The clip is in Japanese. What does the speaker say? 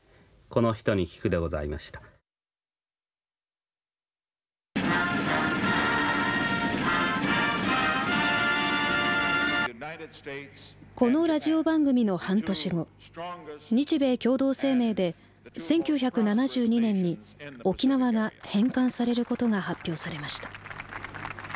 このラジオ番組の半年後日米共同声明で１９７２年に沖縄が返還されることが発表されました。